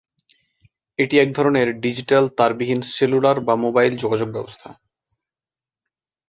এটি এক ধরনের ডিজিটাল তারবিহীন সেলুলার বা মোবাইল যোগাযোগ ব্যবস্থা।